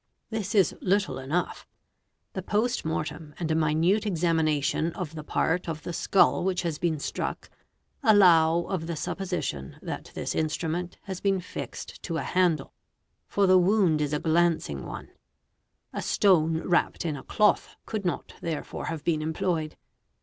This is little enough. The post mortem and a minute examination of the part of the skull which has" been struck, allow of the supposition that this instrument has been fixed to a handle, for the wound is a glancing one; a stone wrapped in a cloth — could not therefore have been employed.